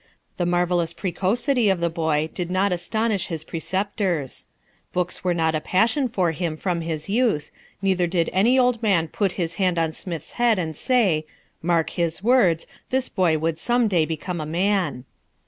The marvellous precocity of the boy did not astonish his preceptors. Books were not a passion for him from his youth, neither did any old man put his hand on Smith's head and say, mark his words, this boy would some day become a man.